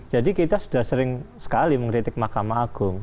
jadi kita sudah sering sekali mengkritik mahkamah agung